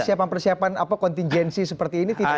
persiapan persiapan kontingensi seperti ini tidak ada